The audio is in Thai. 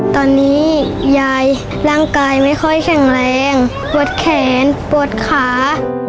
ตอนนี้ยายร่างกายไม่ค่อยแข็งแรงปวดแขนปวดขา